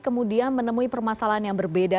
kemudian menemui permasalahan yang berbeda